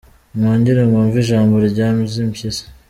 Mwongere mwumve ijambo rya Mzee Mpyisi.